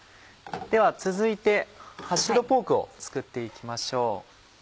では続いてハッシュドポークを作って行きましょう。